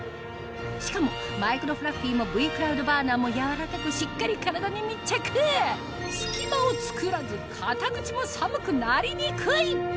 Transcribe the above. しかもマイクロフラッフィーもＶ−ｃｌｏｕｄｂｕｒｎｅｒも柔らかくしっかり体に密着隙間をつくらず肩口も寒くなりにくい！